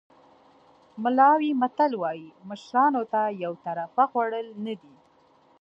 ملاوي متل وایي مشرانو ته یو طرفه خوړل نه دي.